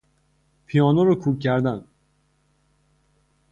پیانو را کوک کردن